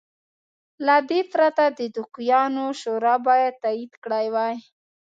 له دې پرته د دوکیانو شورا باید تایید کړی وای.